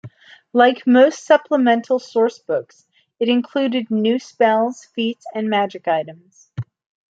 Like most supplemental source books, it included new spells, feats, and magic items.